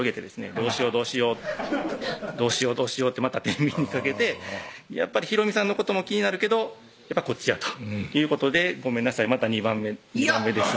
どうしようどうしようどうしようどうしようってまたてんびんにかけて弘美さんのことも気になるけどやっぱこっちやということで「ごめんなさいまた２番目です」